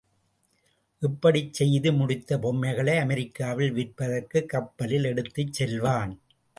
இப்படிச் செய்துமுடித்த பொம்மைகளை அமெரிக்காவில் விற்பதற்குக் கப்பலில் எடுத்துச் செல்வான்.